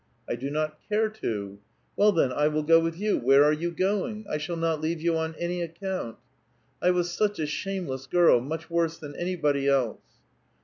' I do not care to.' ' Well, then, I will go with you. Where are you going ? I shall not leave 3'ou on any account !' I was such a shameless girl, much worse than anybody else."